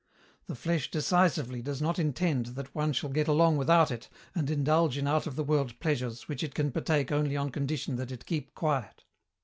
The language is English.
The flesh decisively does not intend that one shall get along without it and indulge in out of the world pleasures which it can partake only on condition that it keep quiet.